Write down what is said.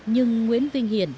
nhưng nguyễn vinh hiển